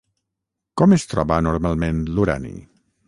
Com es troba normalment, l'urani?